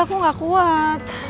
aku gak kuat